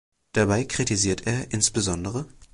Dabei kritisiert er insb.